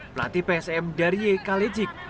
pelatih psm darie kalecik